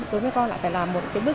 đối với con lại phải làm một cái bước